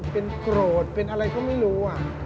เป็นโกรธเป็นอะไรก็ไม่รู้